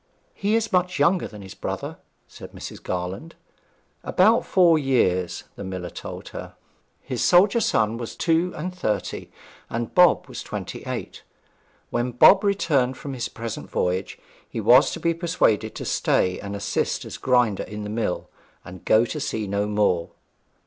'He is much younger than his brother?' said Mrs. Garland. About four years, the miller told her. His soldier son was two and thirty, and Bob was twenty eight. When Bob returned from his present voyage, he was to be persuaded to stay and assist as grinder in the mill, and go to sea no more.